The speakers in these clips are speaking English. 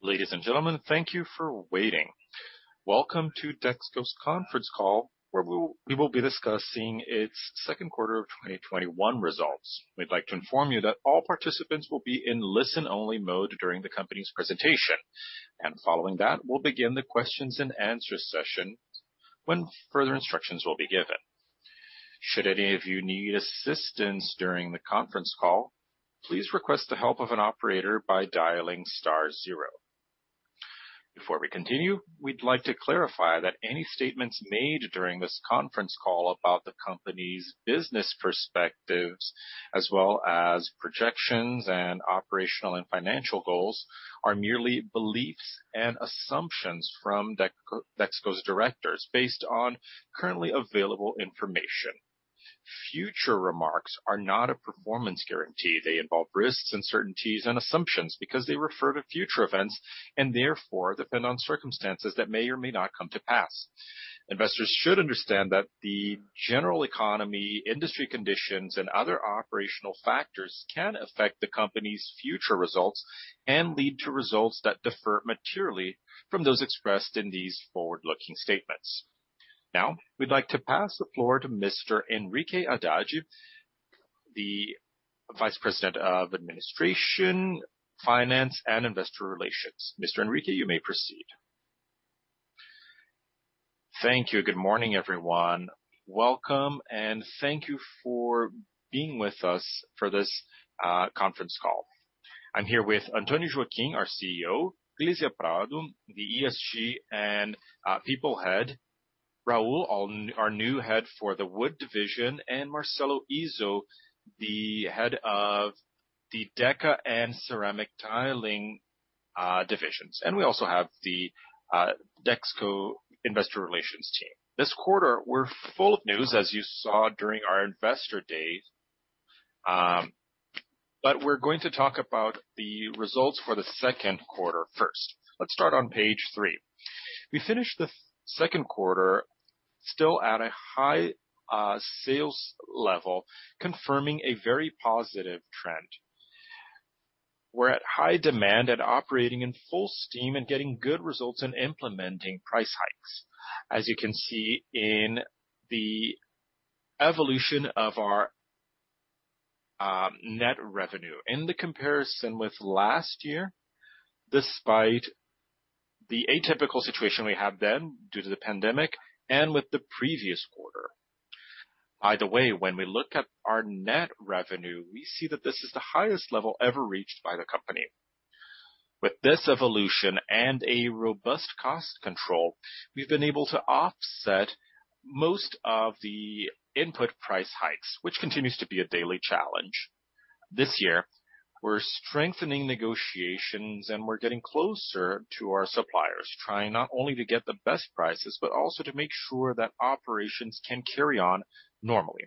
Ladies and gentlemen, thank you for waiting. Welcome to Dexco's conference call, where we will be discussing its second quarter of 2021 results. We'd like to inform you that all participants will be in listen-only mode during the company's presentation. Following that, we'll begin the questions and answer session when further instructions will be given. Should any of you need assistance during the conference call, please request the help of an operator by dialing star zero. Before we continue, we'd like to clarify that any statements made during this conference call about the company's business perspectives, as well as projections and operational and financial goals, are merely beliefs and assumptions from Dexco's directors based on currently available information. Future remarks are not a performance guarantee. They involve risks, uncertainties, and assumptions because they refer to future events and therefore depend on circumstances that may or may not come to pass. Investors should understand that the general economy, industry conditions, and other operational factors can affect the company's future results and lead to results that differ materially from those expressed in these forward-looking statements. We'd like to pass the floor to Mr. Henrique Haddad, the Vice President of Administration, Finance, and Investor Relations. Mr. Henrique, you may proceed. Thank you. Good morning, everyone. Welcome, and thank you for being with us for this conference call. I'm here with Antônio Joaquim, our CEO, Glizia Prado, the ESG and People Head, Raul, our new Head for the Wood Division, and Marcelo Izzo, the Head of the Deca and Ceramic Tiling divisions. We also have the Dexco Investor Relations team. This quarter, we're full of news, as you saw during our Investor Day. We're going to talk about the results for the second quarter first. Let's start on page 3. We finished the second quarter still at a high sales level, confirming a very positive trend. We're at high demand and operating in full steam and getting good results in implementing price hikes. As you can see in the evolution of our net revenue in the comparison with last year, despite the atypical situation we had then due to the pandemic and with the previous quarter. By the way, when we look at our net revenue, we see that this is the highest level ever reached by the company. With this evolution and a robust cost control, we've been able to offset most of the input price hikes, which continues to be a daily challenge. This year, we're strengthening negotiations and we're getting closer to our suppliers, trying not only to get the best prices, but also to make sure that operations can carry on normally.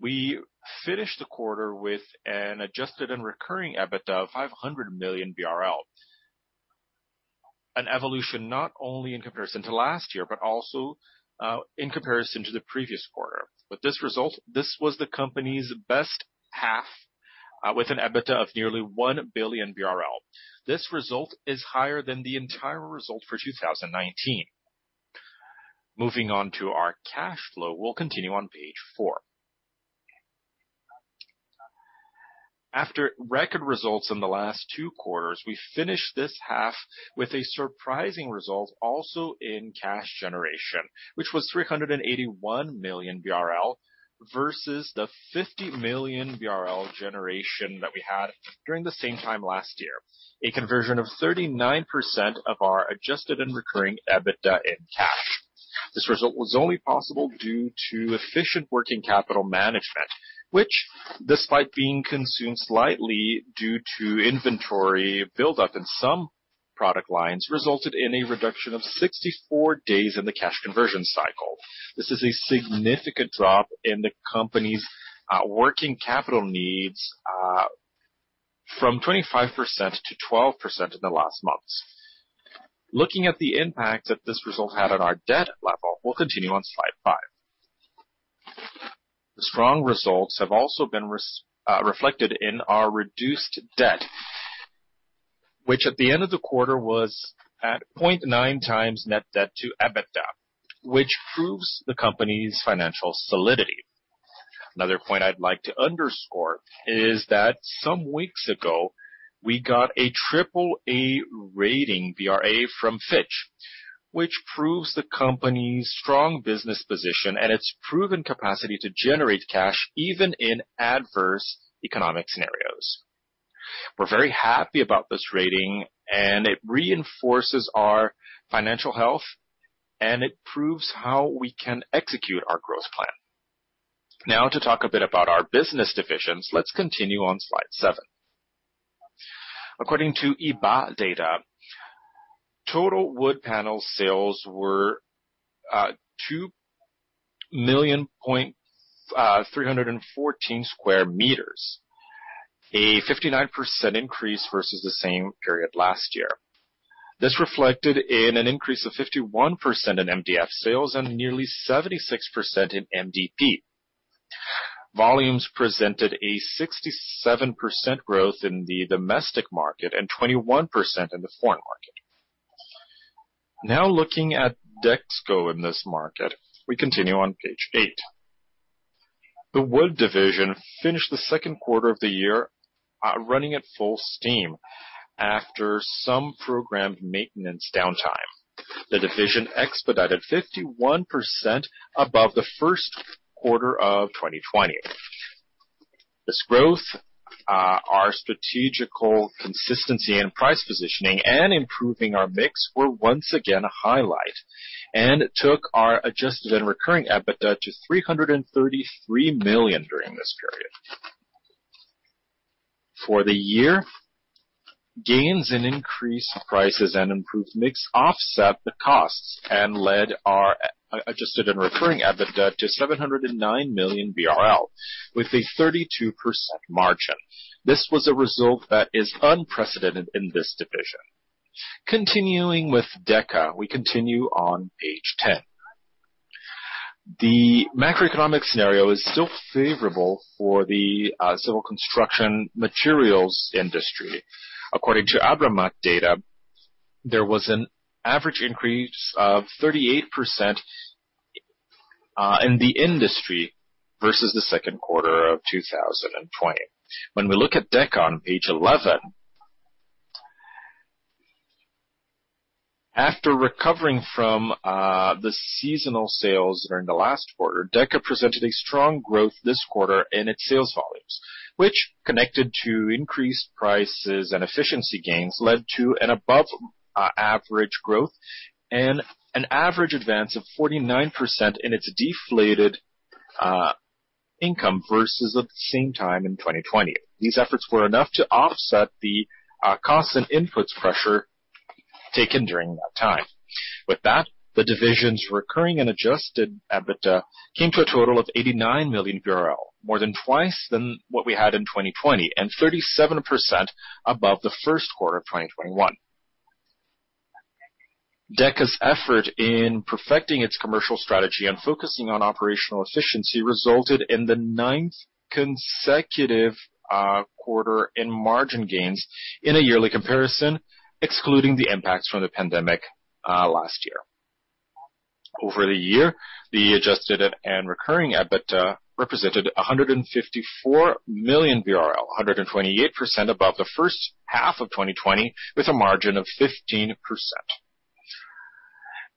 We finished the quarter with an adjusted and recurring EBITDA of 500 million BRL. An evolution not only in comparison to last year, but also in comparison to the previous quarter. With this result, this was the company's best half with an EBITDA of nearly 1 billion BRL. This result is higher than the entire result for 2019. Moving on to our cash flow, we'll continue on page 4. After record results in the last two quarters, we finished this half with a surprising result also in cash generation, which was 381 million BRL versus the 50 million BRL generation that we had during the same time last year. A conversion of 39% of our adjusted and recurring EBITDA in cash. This result was only possible due to efficient working capital management, which, despite being consumed slightly due to inventory buildup in some product lines, resulted in a reduction of 64 days in the cash conversion cycle. This is a significant drop in the company's working capital needs from 25% to 12% in the last months. Looking at the impact that this result had on our debt level, we'll continue on slide 5. The strong results have also been reflected in our reduced debt, which at the end of the quarter was at 0.9x net debt to EBITDA, which proves the company's financial solidity. Another point I'd like to underscore is that some weeks ago, we got a AAA(bra) rating from Fitch, which proves the company's strong business position and its proven capacity to generate cash even in adverse economic scenarios. We're very happy about this rating, and it reinforces our financial health, and it proves how we can execute our growth plan. Now to talk a bit about our business divisions, let's continue on slide 7. According to IBÁ data, total wood panel sales were 2,000,314 square meters, a 59% increase versus the same period last year. This reflected in an increase of 51% in MDF sales and nearly 76% in MDP. Volumes presented a 67% growth in the domestic market and 21% in the foreign market. Now looking at Dexco in this market, we continue on page 8. The wood division finished the second quarter of the year running at full steam after some programmed maintenance downtime. The division expedited 51% above the first quarter of 2020. This growth, our strategical consistency and price positioning, and improving our mix were once again a highlight, and took our adjusted and recurring EBITDA to 333 million during this period. For the year, gains in increased prices and improved mix offset the costs and led our adjusted and recurring EBITDA to 709 million BRL, with a 32% margin. This was a result that is unprecedented in this division. Continuing with Deca, we continue on page 10. The macroeconomic scenario is still favorable for the civil construction materials industry. According to Anamaco data, there was an average increase of 38% in the industry versus the second quarter of 2020. When we look at Deca on page 11, after recovering from the seasonal sales that are in the last quarter, Deca presented a strong growth this quarter in its sales volumes, which connected to increased prices and efficiency gains, led to an above average growth and an average advance of 49% in its deflated income versus at the same time in 2020. These efforts were enough to offset the costs and inputs pressure taken during that time. With that, the division's recurring and Adjusted EBITDA came to a total of 89 million, more than twice than what we had in 2020, and 37% above the 1st quarter of 2021. Deca's effort in perfecting its commercial strategy and focusing on operational efficiency resulted in the 9th consecutive quarter in margin gains in a yearly comparison, excluding the impacts from the pandemic last year. Over the year, the adjusted and recurring EBITDA represented 154 million BRL, 128% above the first half of 2020, with a margin of 15%.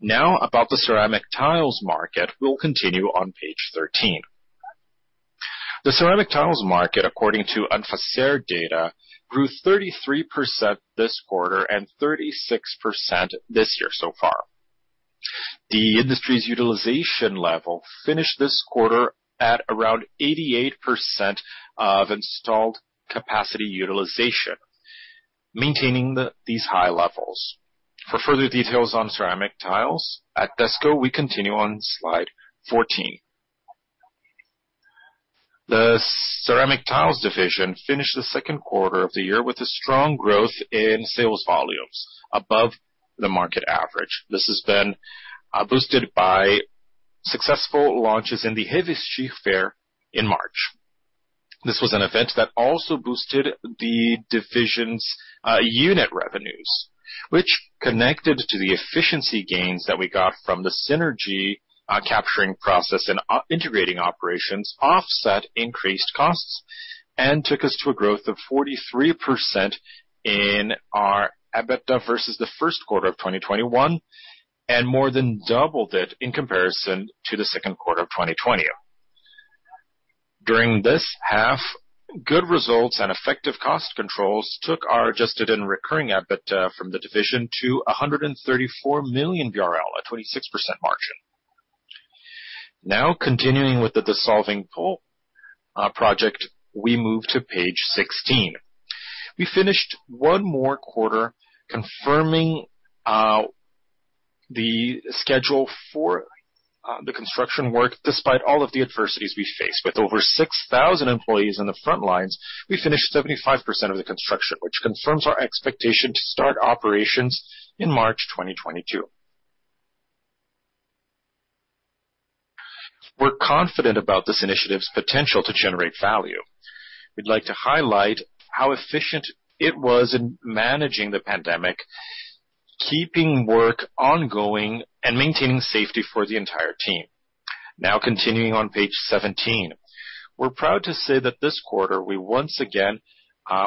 About the ceramic tiles market. We'll continue on page 13. The ceramic tiles market, according to Anfacer data, grew 33% this quarter and 36% this year so far. The industry's utilization level finished this quarter at around 88% of installed capacity utilization, maintaining these high levels. For further details on ceramic tiles at Dexco, we continue on slide 14. The ceramic tiles division finished the second quarter of the year with a strong growth in sales volumes above the market average. This has been boosted by successful launches in the Revestir Fair in March. This was an event that also boosted the division's unit revenues, which connected to the efficiency gains that we got from the synergy capturing process and integrating operations, offset increased costs, and took us to a growth of 43% in our EBITDA versus the first quarter of 2021, and more than doubled it in comparison to the second quarter of 2020. During this half, good results and effective cost controls took our adjusted and recurring EBITDA from the division to 134 million BRL at 26% margin. Continuing with the dissolving pulp project, we move to page 16. We finished one more quarter confirming the schedule for the construction work, despite all of the adversities we faced. With over 6,000 employees on the front lines, we finished 75% of the construction, which confirms our expectation to start operations in March 2022. We're confident about this initiative's potential to generate value. We'd like to highlight how efficient it was in managing the pandemic, keeping work ongoing, and maintaining safety for the entire team. Continuing on page 17. We're proud to say that this quarter we once again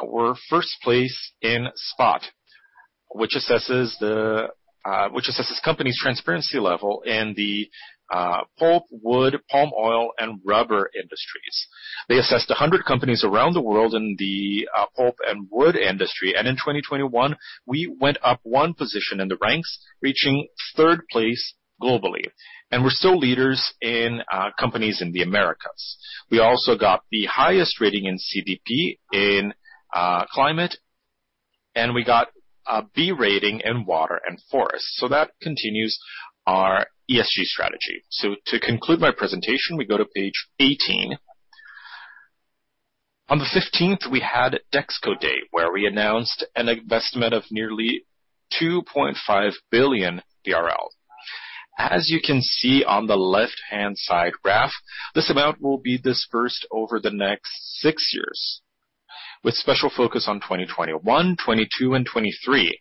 were first place in SPOTT, which assesses company's transparency level in the pulp, wood, palm oil, and rubber industries. They assessed 100 companies around the world in the pulp and wood industry. In 2021, we went up 1 position in the ranks, reaching third place globally. We're still leaders in companies in the Americas. We also got the highest rating in CDP in climate. We got a B rating in water and forest. That continues our ESG strategy. To conclude my presentation, we go to page 18. On the 15th, we had Dexco Day, where we announced an investment of nearly 2.5 billion. As you can see on the left-hand side graph, this amount will be dispersed over the next six years, with special focus on 2021, 2022, and 2023,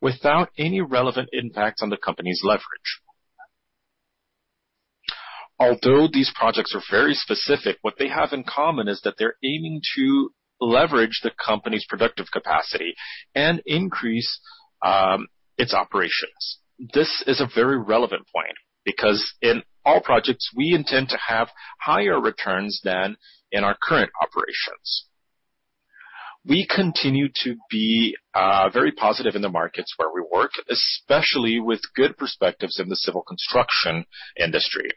without any relevant impact on the company's leverage. Although these projects are very specific, what they have in common is that they're aiming to leverage the company's productive capacity and increase its operations. This is a very relevant point because in all projects, we intend to have higher returns than in our current operations. We continue to be very positive in the markets where we work, especially with good perspectives in the civil construction industry.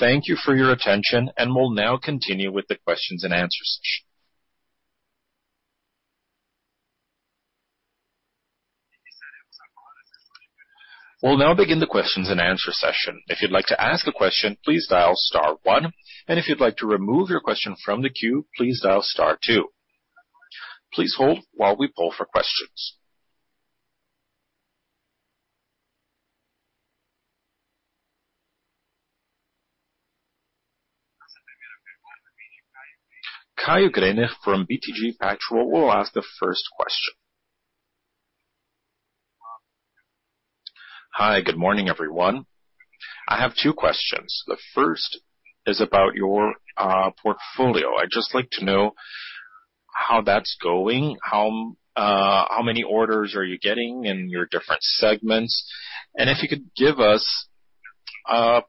Thank you for your attention, and we'll now continue with the questions and answer session. We'll now begin the questions-and-answer session. Caio Greiner from BTG Pactual will ask the first question. Hi. Good morning, everyone. I have two questions. The first is about your portfolio. I'd just like to know how that's going, how many orders are you getting in your different segments, and if you could give us a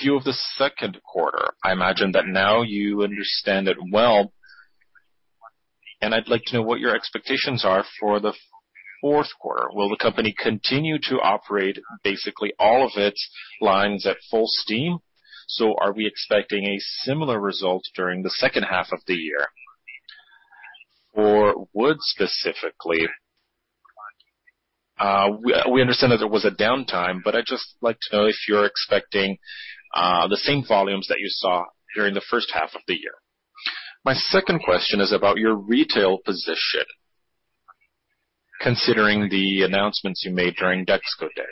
view of the second quarter. I imagine that now you understand it well, and I'd like to know what your expectations are for the fourth quarter. Will the company continue to operate basically all of its lines at full steam? Are we expecting a similar result during the second half of the year? For wood, specifically, we understand that there was a downtime, but I'd just like to know if you're expecting the same volumes that you saw during the first half of the year. My second question is about your retail position, considering the announcements you made during Dexco Day.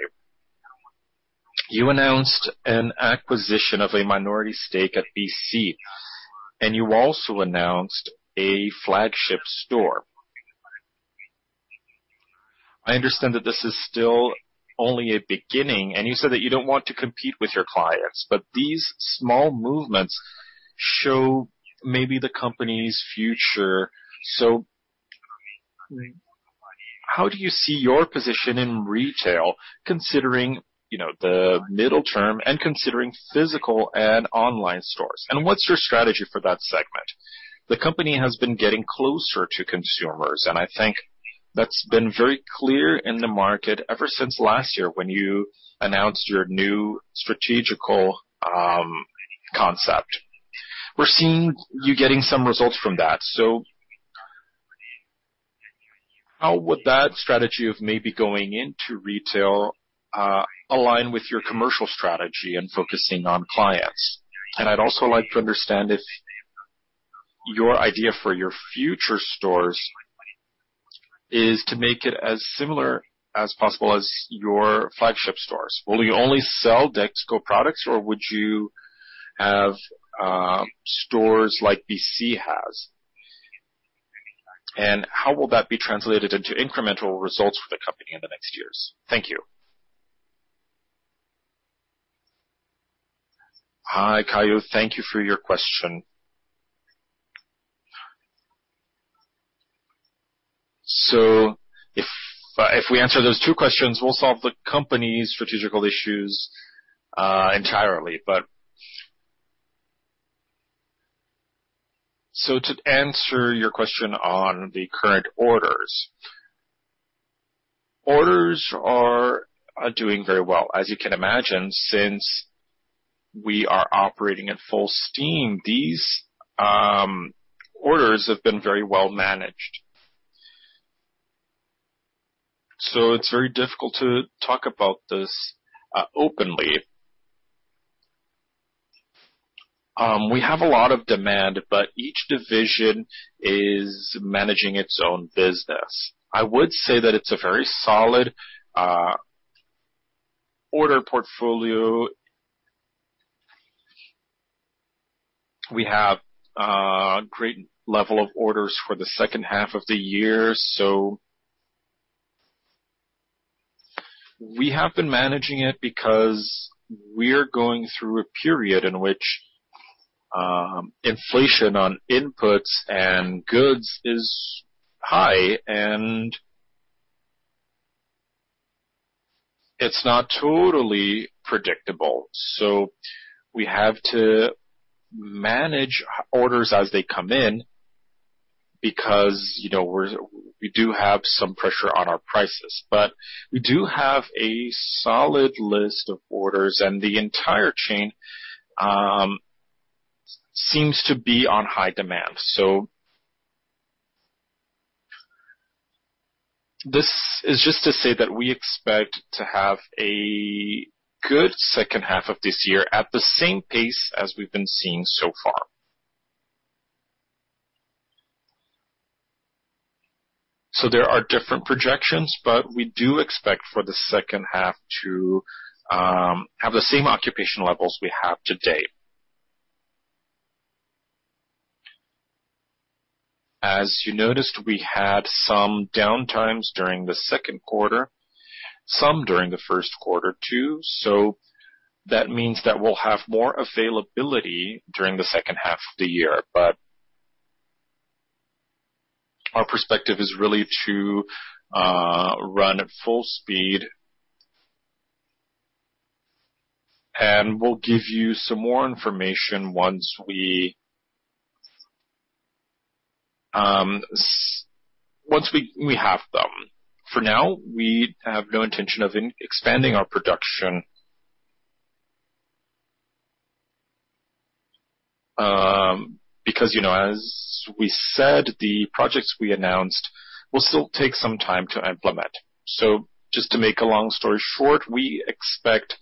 You announced an acquisition of a minority stake at BC, and you also announced a flagship store. I understand that this is still only a beginning, and you said that you don't want to compete with your clients, but these small movements show maybe the company's future. How do you see your position in retail considering the middle term and considering physical and online stores? What's your strategy for that segment? The company has been getting closer to consumers, and I think that's been very clear in the market ever since last year when you announced your new strategical concept. We're seeing you getting some results from that. How would that strategy of maybe going into retail align with your commercial strategy and focusing on clients? I'd also like to understand if your idea for your future stores is to make it as similar as possible as your flagship stores. Will you only sell Dexco products, or would you have stores like BC has? How will that be translated into incremental results for the company in the next years? Thank you. Hi, Caio. Thank you for your question. If we answer those two questions, we'll solve the company's strategical issues entirely. To answer your question on the current orders. Orders are doing very well. As you can imagine, since we are operating at full steam, these orders have been very well managed. It's very difficult to talk about this openly. We have a lot of demand, but each division is managing its own business. I would say that it's a very solid order portfolio. We have a great level of orders for the second half of the year, so we have been managing it because we're going through a period in which inflation on inputs and goods is high, and it's not totally predictable. We have to manage orders as they come in because we do have some pressure on our prices. We do have a solid list of orders, and the entire chain seems to be on high demand. This is just to say that we expect to have a good second half of this year at the same pace as we've been seeing so far. There are different projections, but we do expect for the second half to have the same occupation levels we have to date. As you noticed, we had some downtimes during the second quarter, some during the first quarter too. That means that we'll have more availability during the second half of the year. Our perspective is really to run at full speed, and we'll give you some more information once we have them. For now, we have no intention of expanding our production because, as we said, the projects we announced will still take some time to implement. Just to make a long story short, we expect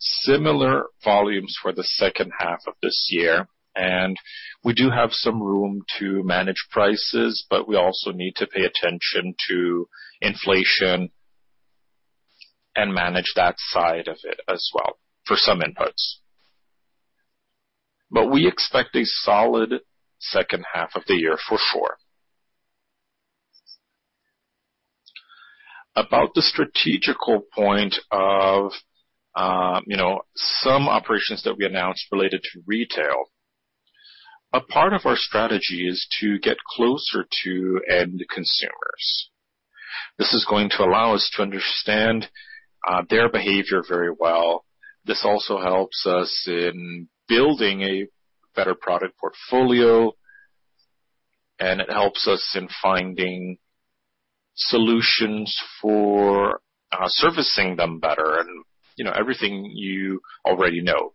similar volumes for the second half of this year, and we do have some room to manage prices, but we also need to pay attention to inflation and manage that side of it as well, for some inputs. We expect a solid second half of the year for sure. About the strategic point of some operations that we announced related to retail. A part of our strategy is to get closer to end consumers. This is going to allow us to understand their behavior very well. This also helps us in building a better product portfolio, and it helps us in finding solutions for servicing them better and everything you already know.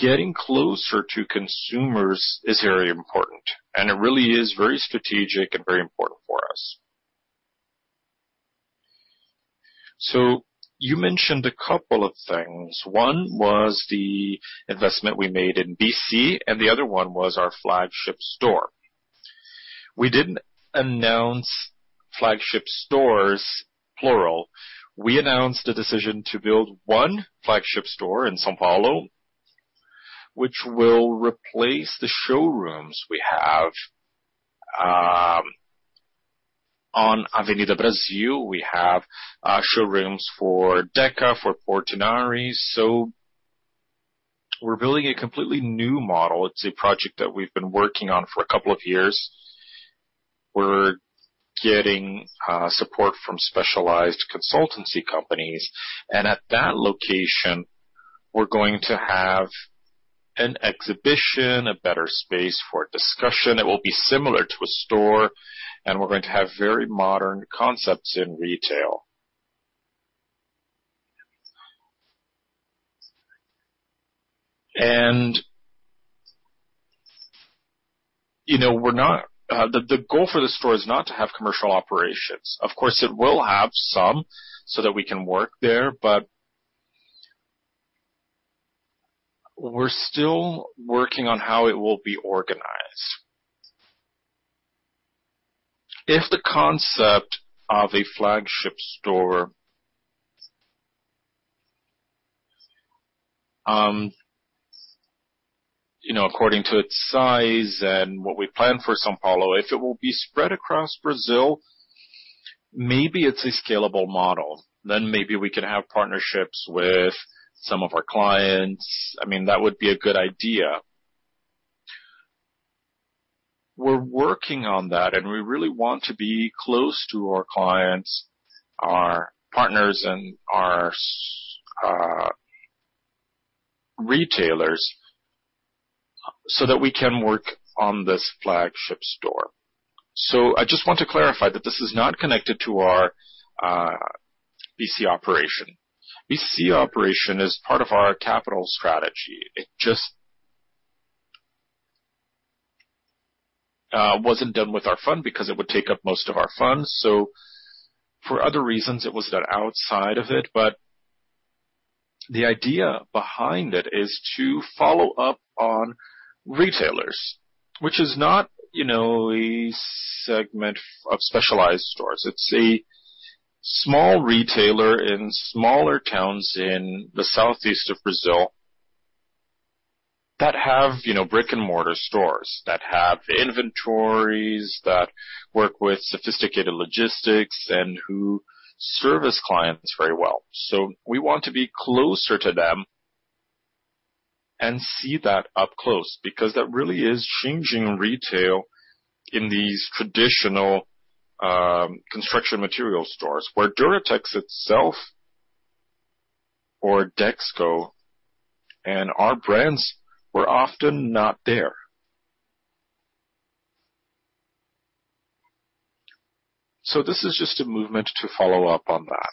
Getting closer to consumers is very important, and it really is very strategic and very important for us. You mentioned a couple of things. One was the investment we made in BC, and the other one was our flagship store. We didn't announce flagship stores, plural. We announced a decision to build one flagship store in São Paulo, which will replace the showrooms we have on Avenida Brasil. We have showrooms for Deca, for Portinari. We're building a completely new model. It's a project that we've been working on for a couple of years. We're getting support from specialized consultancy companies. At that location, we're going to have an exhibition, a better space for discussion. It will be similar to a store, and we're going to have very modern concepts in retail. The goal for the store is not to have commercial operations. Of course, it will have some so that we can work there, but we're still working on how it will be organized. If the concept of a flagship store, according to its size and what we plan for São Paulo, if it will be spread across Brazil, maybe it's a scalable model. Maybe we can have partnerships with some of our clients. That would be a good idea. We're working on that, and we really want to be close to our clients, our partners, and our retailers so that we can work on this flagship store. I just want to clarify that this is not connected to our BC operation. BC operation is part of our capital strategy. It just wasn't done with our fund because it would take up most of our funds. For other reasons, it was done outside of it, but the idea behind it is to follow up on retailers, which is not a segment of specialized stores. It's a small retailer in smaller towns in the southeast of Brazil that have brick-and-mortar stores, that have inventories, that work with sophisticated logistics and who service clients very well. We want to be closer to them and see that up close, because that really is changing retail in these traditional construction material stores where Duratex itself or Dexco and our brands were often not there. This is just a movement to follow up on that.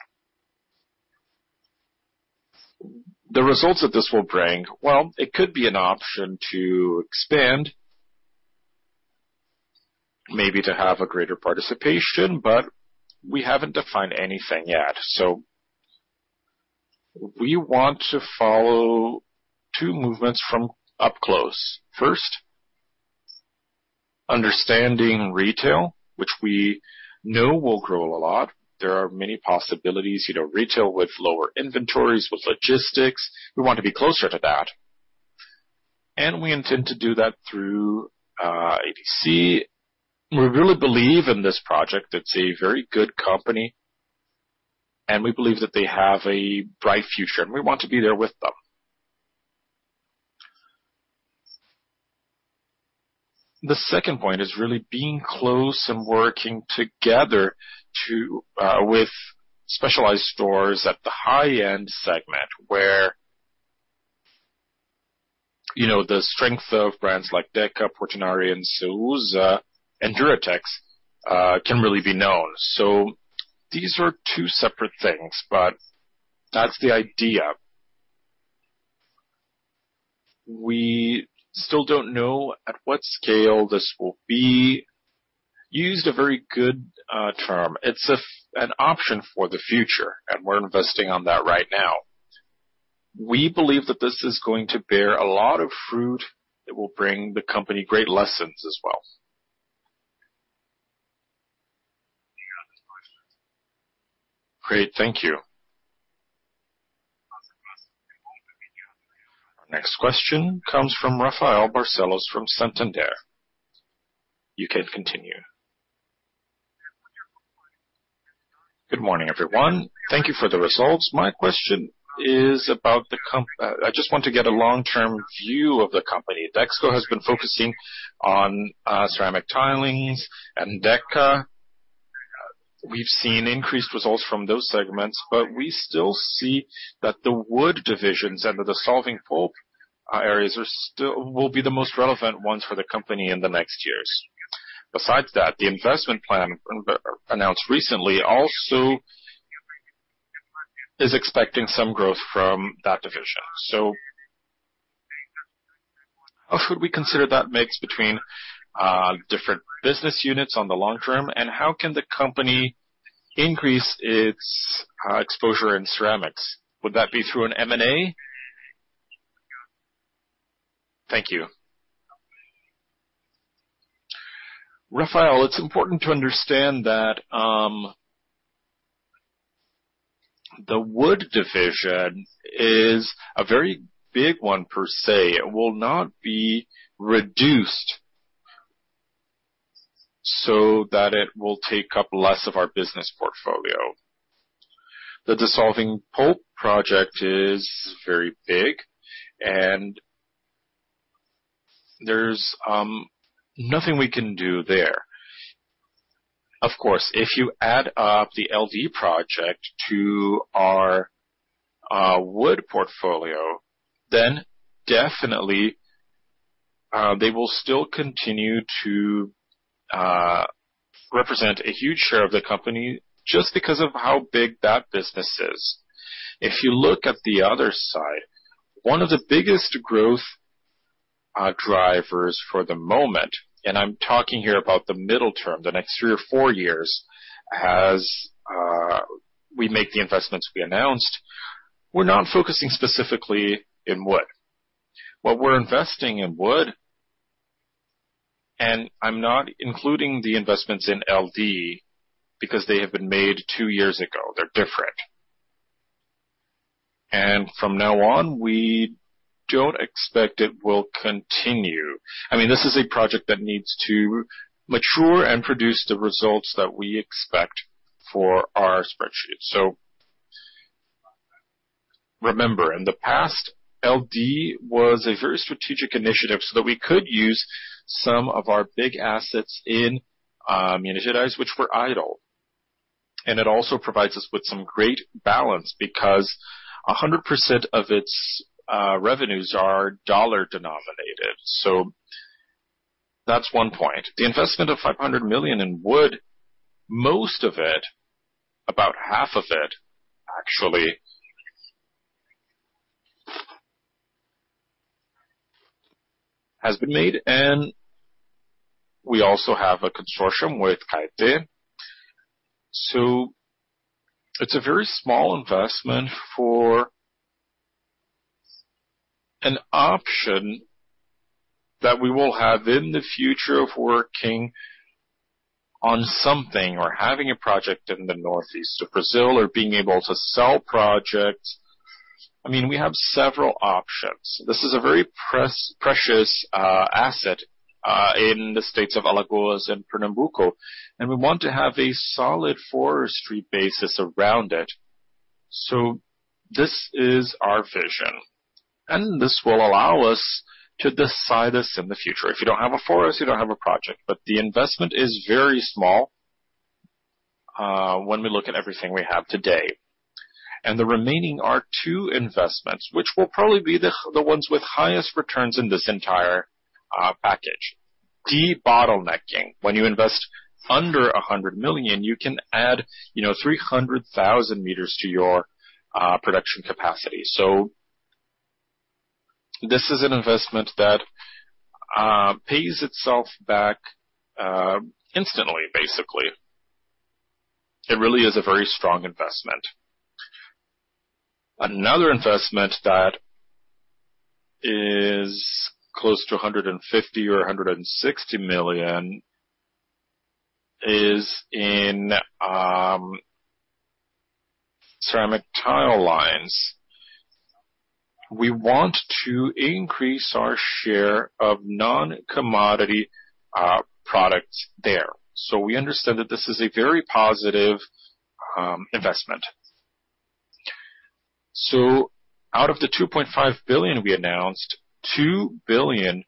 The results that this will bring, well, it could be an option to expand, maybe to have a greater participation, but we haven't defined anything yet. We want to follow two movements from up close. First, understanding retail, which we know will grow a lot. There are many possibilities, retail with lower inventories, with logistics. We want to be closer to that, and we intend to do that through ABC. We really believe in this project. It's a very good company, and we believe that they have a bright future, and we want to be there with them. The second point is really being close and working together with specialized stores at the high-end segment, where the strength of brands like Deca, Portinari, Ceusa, and Duratex can really be known. These are two separate things, but that's the idea. We still don't know at what scale this will be. Used a very good term. It's an option for the future, and we're investing on that right now. We believe that this is going to bear a lot of fruit that will bring the company great lessons as well. I don't have any other questions. Great. Thank you. Our next question comes from Rafael Barcellos from Santander. You can continue. Good morning. Good morning, everyone. Thank you for the results. My question is, I just want to get a long-term view of the company. Dexco has been focusing on ceramic tilings and Deca. We've seen increased results from those segments, but we still see that the wood divisions under the dissolving pulp areas will be the most relevant ones for the company in the next years. Besides that, the investment plan announced recently also is expecting some growth from that division. How should we consider that mix between different business units on the long term, and how can the company increase its exposure in ceramics? Would that be through an M&A? Thank you. Rafael, it's important to understand that the wood division is a very big one per se. It will not be reduced so that it will take up less of our business portfolio. The dissolving pulp project is very big, and there's nothing we can do there. Of course, if you add up the LD project to our wood portfolio, then definitely, they will still continue to represent a huge share of the company just because of how big that business is. If you look at the other side, one of the biggest growth drivers for the moment, and I'm talking here about the middle term, the next three or four years, as we make the investments we announced, we're not focusing specifically in wood. What we're investing in wood, and I'm not including the investments in LD because they have been made two years ago. They're different. From now on, we don't expect it will continue. This is a project that needs to mature and produce the results that we expect for our spreadsheets. Remember, in the past, LD was a very strategic initiative so that we could use some of our big assets in Minas Gerais, which were idle. It also provides us with some great balance because 100% of its revenues are USD denominated. That's one point. The investment of 500 million in wood, most of it, about half of it actually has been made, and we also have a consortium with Caeté. It's a very small investment for an option that we will have in the future of working on something or having a project in the northeast of Brazil or being able to sell projects. We have several options. This is a very precious asset in the states of Alagoas and Pernambuco, and we want to have a solid forestry basis around it. This is our vision. This will allow us to decide this in the future. If you don't have a forest, you don't have a project. The investment is very small when we look at everything we have today. The remaining are two investments, which will probably be the ones with highest returns in this entire package. De-bottlenecking. When you invest under 100 million, you can add 300,000 meters to your production capacity. This is an investment that pays itself back instantly, basically. It really is a very strong investment. Another investment that is close to 150 million or 160 million is in ceramic tile lines. We want to increase our share of non-commodity products there. We understand that this is a very positive investment. Out of the 2.5 billion we announced, 2 billion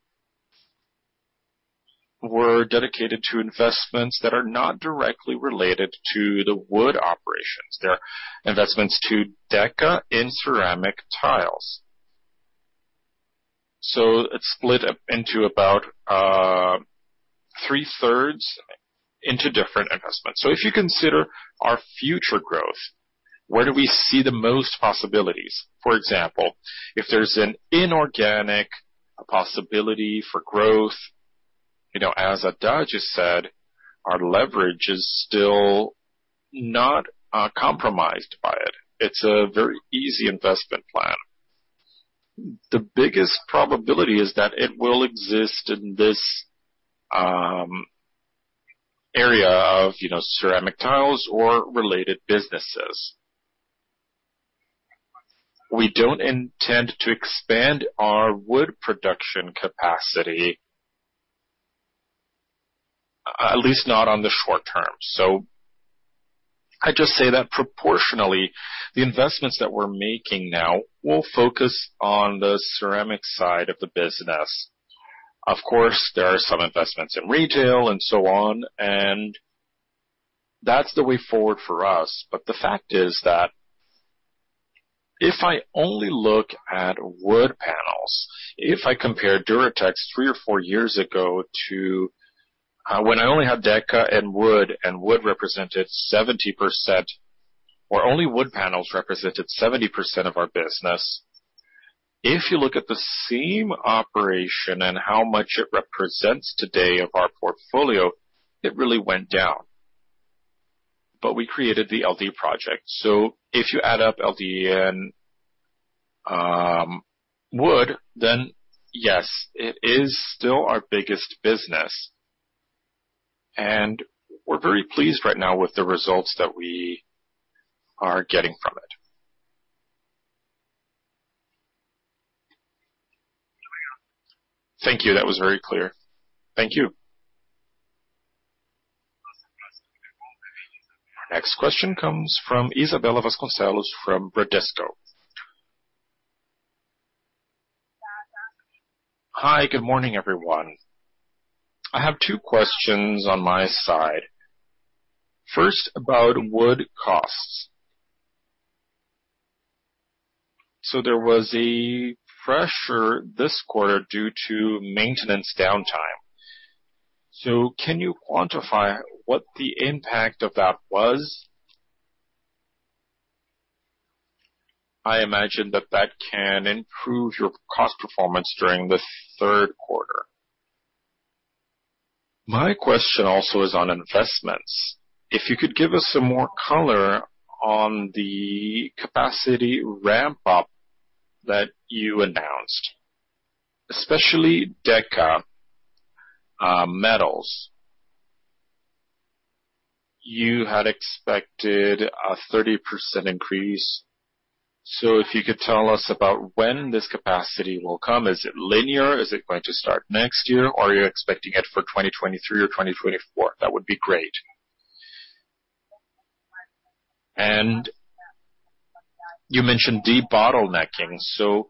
were dedicated to investments that are not directly related to the wood operations. They're investments to Deca in ceramic tiles. It's split into about three-thirds into different investments. If you consider our future growth, where do we see the most possibilities? For example, if there's an inorganic possibility for growth, as Haddad just said, our leverage is still not compromised by it. It's a very easy investment plan. The biggest probability is that it will exist in this area of ceramic tiles or related businesses. We don't intend to expand our wood production capacity, at least not on the short term. I just say that proportionally, the investments that we're making now will focus on the ceramic side of the business. There are some investments in retail and so on, and that's the way forward for us. The fact is that if I only look at wood panels, if I compare Duratex three or four years ago to when I only had Deca and wood, and wood represented 70%, or only wood panels represented 70% of our business. If you look at the same operation and how much it represents today of our portfolio, it really went down. We created the LD project. If you add up LD and wood, then yes, it is still our biggest business, and we're very pleased right now with the results that we are getting from it. Thank you. That was very clear. Thank you. Our next question comes from Isabela Vasconcelos from Bradesco. Hi, good morning, everyone. I have two questions on my side. First, about wood costs. There was a pressure this quarter due to maintenance downtime. Can you quantify what the impact of that was? I imagine that that can improve your cost performance during the third quarter. My question also is on investments. If you could give us some more color on the capacity ramp-up that you announced, especially Deca Metals. You had expected a 30% increase. If you could tell us about when this capacity will come. Is it linear? Is it going to start next year? Or are you expecting it for 2023 or 2024? That would be great. You mentioned de-bottlenecking,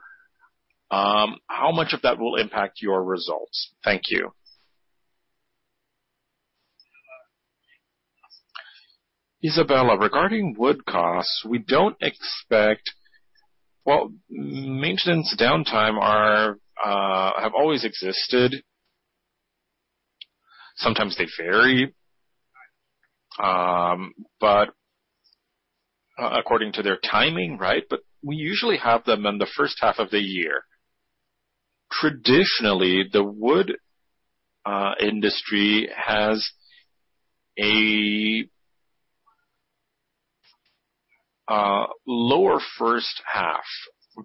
how much of that will impact your results? Thank you. Isabela, regarding wood costs, we don't expect. Well, maintenance downtime has always existed. Sometimes they vary, according to their timing, right? We usually have them in the first half of the year. Traditionally, the wood industry has a lower first half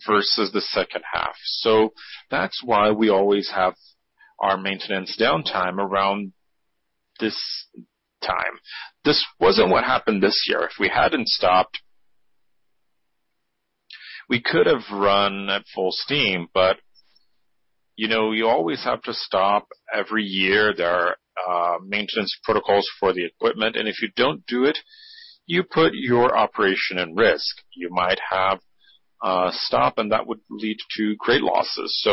versus the second half. That's why we always have our maintenance downtime around this time. This wasn't what happened this year. If we hadn't stopped, we could have run at full steam. You always have to stop every year. There are maintenance protocols for the equipment, and if you don't do it, you put your operation at risk. You might have a stop and that would lead to great losses.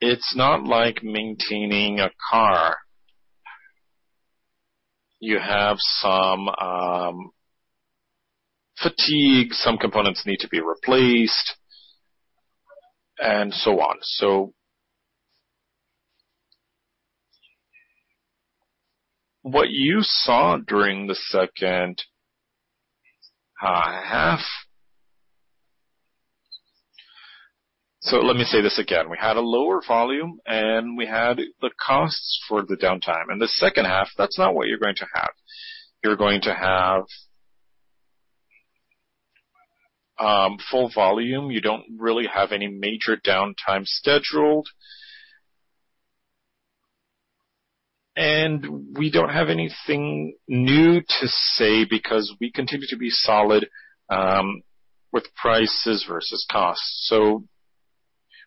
It's not like maintaining a car. You have some fatigue, some components need to be replaced, and so on. What you saw during the second half. Let me say this again. We had a lower volume, and we had the costs for the downtime. In the second half, that's not what you're going to have. You're going to have full volume. You don't really have any major downtime scheduled. We don't have anything new to say because we continue to be solid with prices versus costs.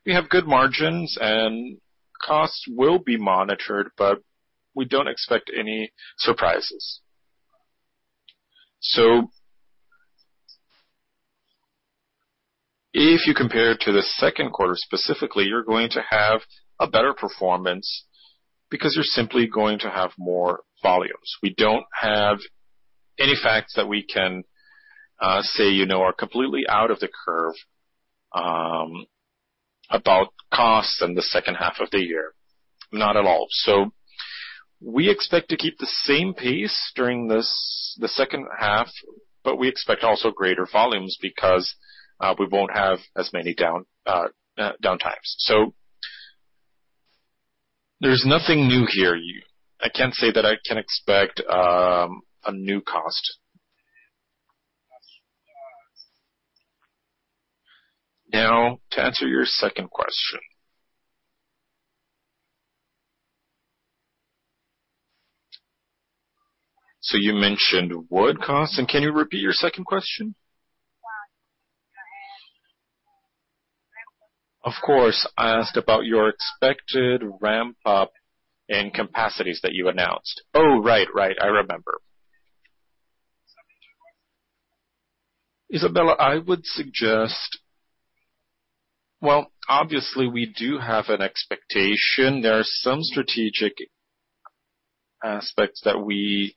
We have good margins and costs will be monitored, but we don't expect any surprises. If you compare it to the second quarter specifically, you're going to have a better performance because you're simply going to have more volumes. We don't have any facts that we can say are completely out of the curve about costs in the second half of the year, not at all. We expect to keep the same pace during the second half, but we expect also greater volumes because we won't have as many downtimes. There's nothing new here. I can't say that I can expect a new cost. Now to answer your second question. You mentioned wood costs. Can you repeat your second question? Of course. I asked about your expected ramp up in capacities that you announced. Oh, right. I remember. Isabela, I would suggest. Obviously, we do have an expectation. There are some strategic aspects that we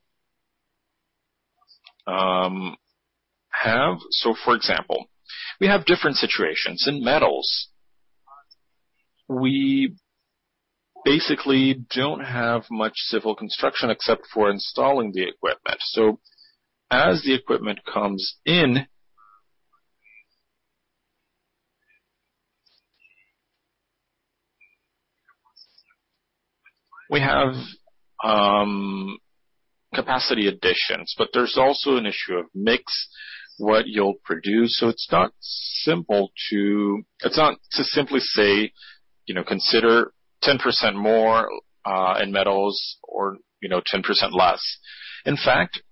have. For example, we have different situations. In metals, we basically don't have much civil construction except for installing the equipment. As the equipment comes in, we have capacity additions, but there's also an issue of mix, what you'll produce. It's not to simply say, consider 10% more in metals or 10% less. In fact,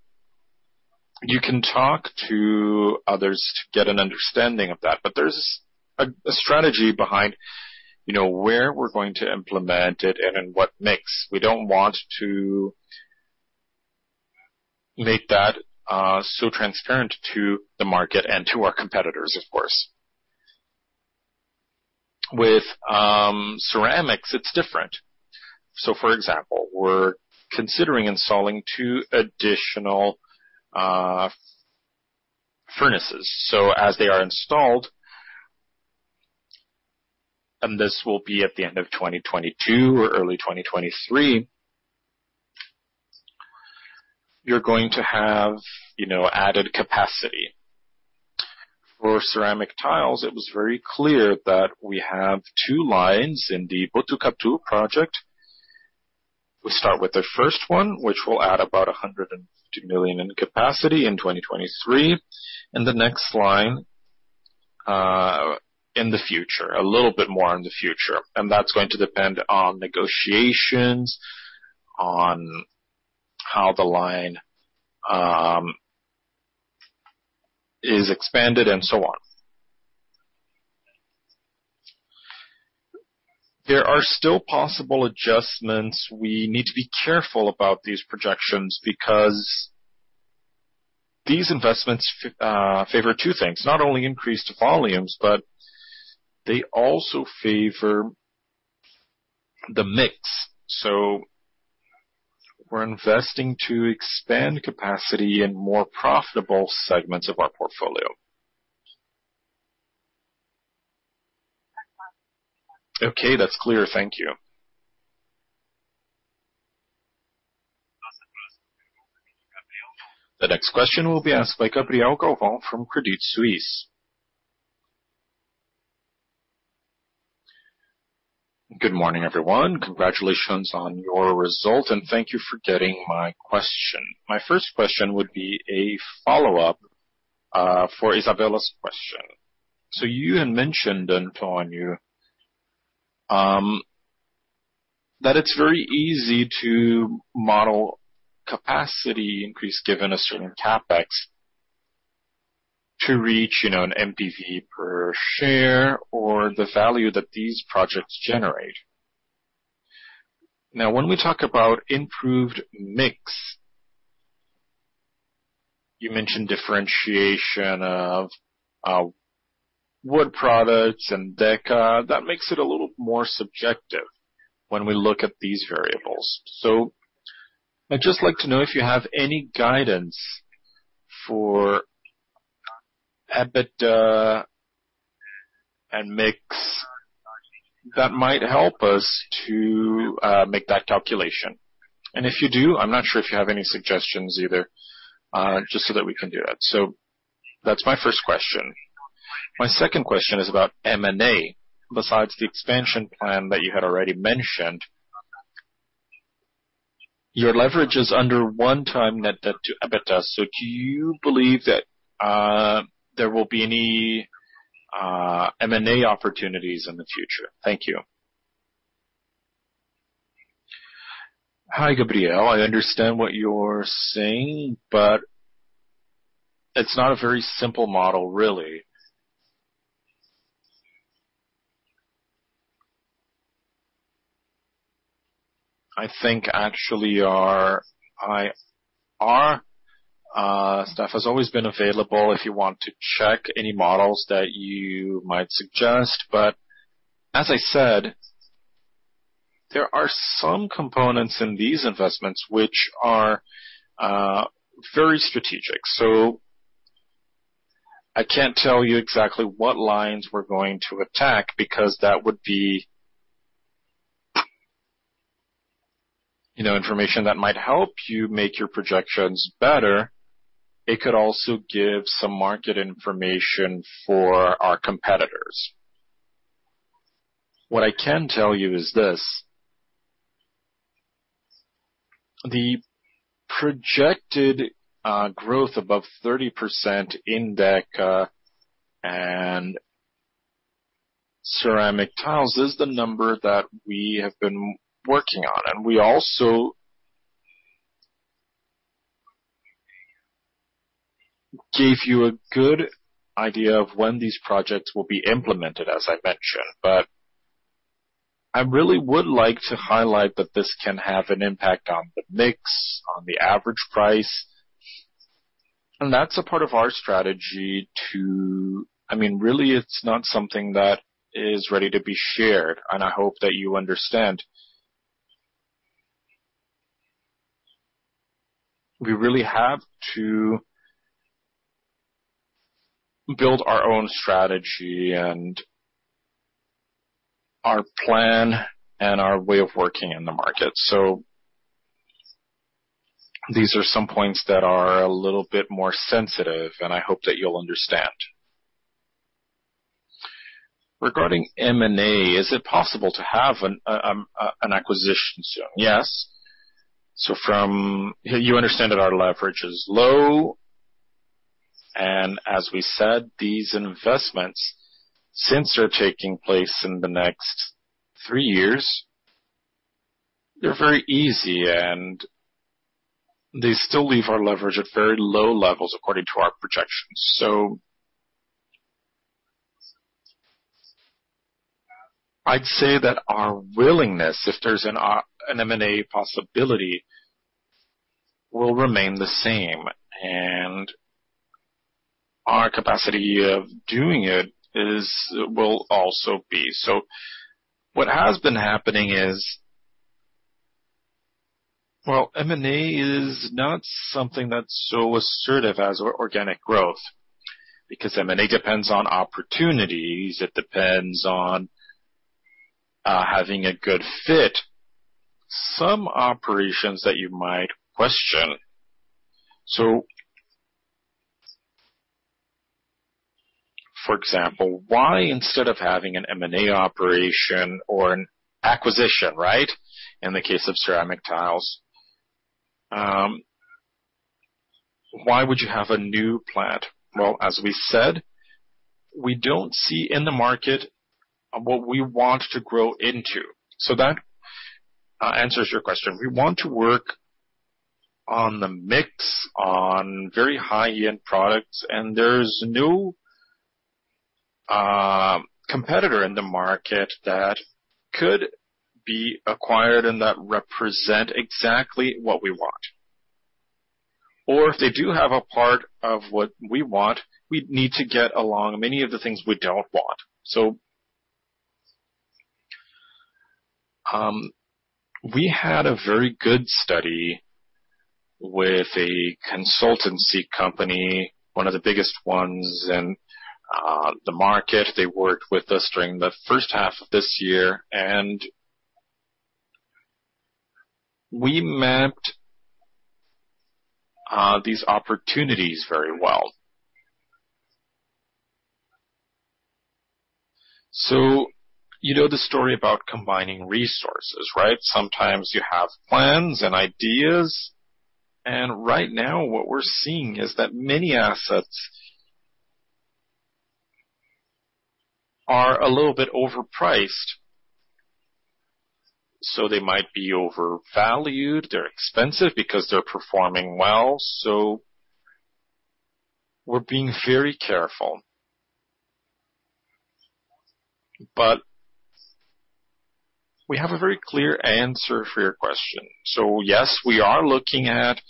you can talk to others to get an understanding of that, but there's a strategy behind where we're going to implement it and in what mix. We don't want to make that so transparent to the market and to our competitors, of course. With ceramics, it's different. For example, we're considering installing two additional furnaces. As they are installed, and this will be at the end of 2022 or early 2023, you're going to have added capacity. For ceramic tiles, it was very clear that we have two lines in the Botucatu project. We start with the first one, which will add about 150 million in capacity in 2023. The next line, a little bit more in the future. That's going to depend on negotiations on how the line is expanded and so on. There are still possible adjustments. We need to be careful about these projections because these investments favor two things, not only increased volumes, but they also favor the mix. We're investing to expand capacity in more profitable segments of our portfolio. Okay. That's clear. Thank you. The next question will be asked by Gabriel Galvão from Credit Suisse. Good morning, everyone. Congratulations on your result, thank you for getting my question. My first question would be a follow-up for Isabela's question. You had mentioned, Antonio, that it's very easy to model capacity increase given a certain CapEx to reach an NPV per share or the value that these projects generate. When we talk about improved mix. You mentioned differentiation of wood products and Deca. That makes it a little more subjective when we look at these variables. I'd just like to know if you have any guidance for EBITDA and mix that might help us to make that calculation. If you do, I'm not sure if you have any suggestions either, just so that we can do that. That's my first question. My second question is about M&A. Besides the expansion plan that you had already mentioned, your leverage is under one time net debt to EBITDA. Do you believe that there will be any M&A opportunities in the future? Thank you. Hi, Gabriel. I understand what you're saying, but it's not a very simple model, really. I think actually our stuff has always been available if you want to check any models that you might suggest. As I said, there are some components in these investments which are very strategic. I can't tell you exactly what lines we're going to attack, because that would be information that might help you make your projections better. It could also give some market information for our competitors. What I can tell you is this. The projected growth above 30% in Deca and ceramic tiles is the number that we have been working on, and we also gave you a good idea of when these projects will be implemented, as I mentioned. I really would like to highlight that this can have an impact on the mix, on the average price, and that's a part of our strategy. It's not something that is ready to be shared, and I hope that you understand. We really have to build our own strategy and our plan and our way of working in the market. These are some points that are a little bit more sensitive, and I hope that you'll understand. Regarding M&A, is it possible to have an acquisition soon? Yes. You understand that our leverage is low. As we said, these investments, since they're taking place in the next three years, they're very easy, and they still leave our leverage at very low levels according to our projections. I'd say that our willingness, if there's an M&A possibility, will remain the same, and our capacity of doing it will also be. What has been happening is, well, M&A is not something that's so assertive as organic growth, because M&A depends on opportunities. It depends on having a good fit. Some operations that you might question. For example, why instead of having an M&A operation or an acquisition, in the case of ceramic tiles, why would you have a new plant? Well, as we said, we don't see in the market what we want to grow into. That answers your question. We want to work on the mix, on very high-end products, and there's no competitor in the market that could be acquired and that represent exactly what we want. Or if they do have a part of what we want, we'd need to get along many of the things we don't want. We had a very good study with a consultancy company, one of the biggest ones in the market. They worked with us during the first half of this year, and we mapped these opportunities very well. You know the story about combining resources. Sometimes you have plans and ideas, and right now what we're seeing is that many assets are a little bit overpriced. They might be overvalued. They're expensive because they're performing well, so we're being very careful. We have a very clear answer for your question. Yes, we are looking at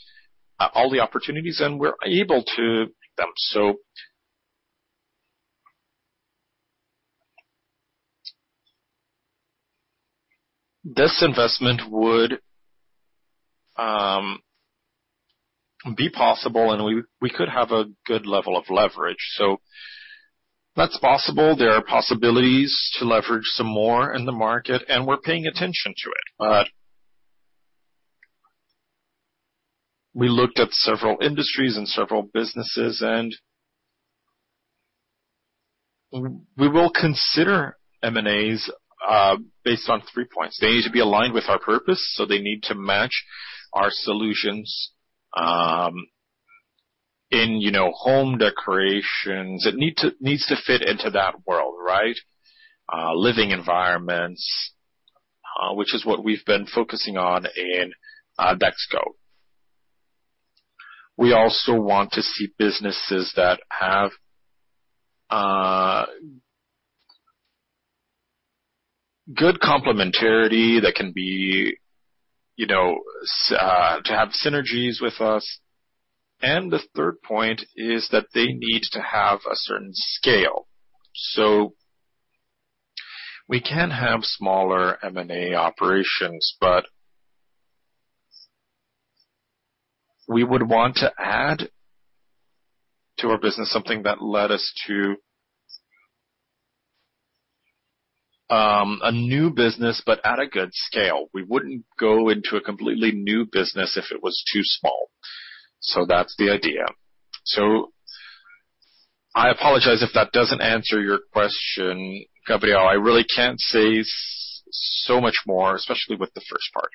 all the opportunities, and we're able to take them. This investment would be possible, and we could have a good level of leverage. That's possible. There are possibilities to leverage some more in the market, and we're paying attention to it. We looked at several industries and several businesses, and we will consider M&As based on three points. They need to be aligned with our purpose, so they need to match our solutions in home decorations. It needs to fit into that world, right? Living environments, which is what we've been focusing on in Dexco. We also want to see businesses that have good complementarity, that can have synergies with us. The third point is that they need to have a certain scale. We can have smaller M&A operations, but we would want to add to our business something that led us to a new business, but at a good scale. We wouldn't go into a completely new business if it was too small. That's the idea. I apologize if that doesn't answer your question, Gabriel. I really can't say so much more, especially with the first part.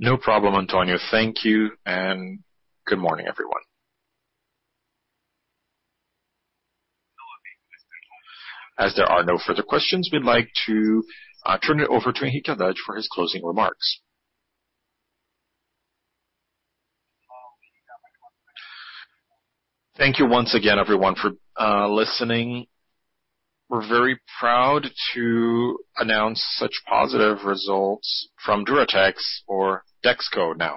No problem, Antonio. Thank you, and good morning, everyone. As there are no further questions, we'd like to turn it over to Henrique Haddad for his closing remarks. Thank you once again, everyone, for listening. We're very proud to announce such positive results from Duratex or Dexco now.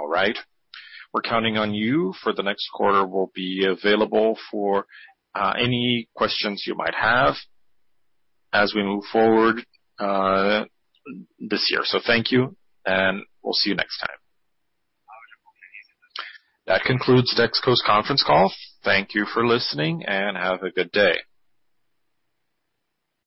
We're counting on you for the next quarter. We'll be available for any questions you might have as we move forward this year. Thank you, and we'll see you next time. That concludes Dexco's conference call. Thank you for listening, and have a good day.